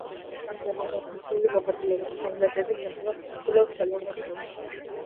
ამჟამად აღნიშნული მოხატულობის ფრაგმენტები ინახება საქართველოს ხელოვნების მუზეუმში.